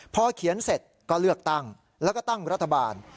พอเขียนเสร็จก็เลือกตั้งแล้วก็ตั้งรัฐบาล